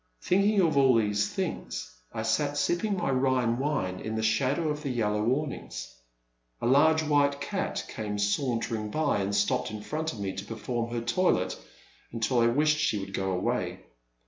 Thinking of all these things I sat sipping my 352 The Man at the Next Table. Rhine wine in the shadow of the yellow awnings. A large white cat came sauntering by and stopped in front of me to perform her toilet until I wished she would go away.